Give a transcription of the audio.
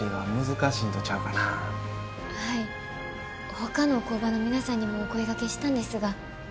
ほかの工場の皆さんにもお声がけしたんですが。